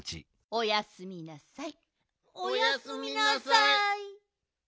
おやすみなさい。